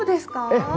ええ。